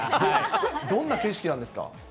どんな景色なんですか？